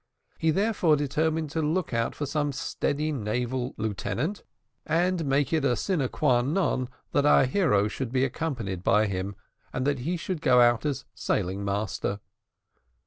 He therefore determined to look out for some steady naval lieutenant, and make it a sine qua non that our hero should be accompanied by him, and that he should go out as sailing master.